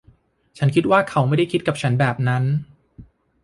ฉันคิดว่าเค้าไม่ได้คิดกับฉันแบบนั้น